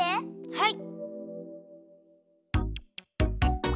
はい！